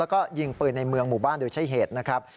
แล้วก็ยิงปืนในเมืองหมู่บ้านโดยใช้เหตุนะครับ